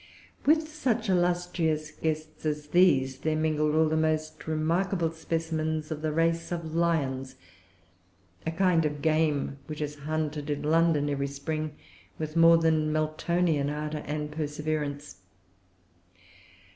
[Pg 339] With such illustrious guests as these were mingled all the most remarkable specimens of the race of lions, a kind of game which is hunted in London every spring with more than Meltonian ardor and perseverance.